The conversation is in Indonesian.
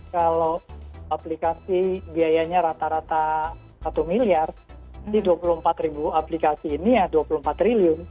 kalau aplikasi biayanya rata rata satu miliar di dua puluh empat ribu aplikasi ini ya dua puluh empat triliun